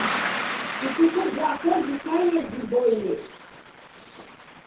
Ituku jako jikaie jiboiye